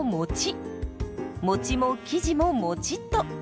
もちも生地ももちっと。